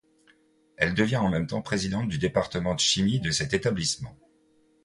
Elle devient en même temps présidente du département de chimie de cet établissement.